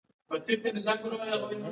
قدرت منطق تسلیم نه شي.